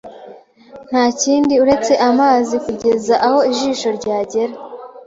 Nta kindi uretse amazi kugeza aho ijisho ryagera